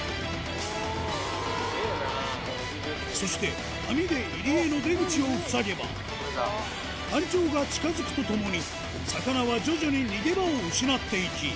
そして網で入り江の出口をふさげば干潮が近づくとともに魚は徐々に逃げ場を失っていき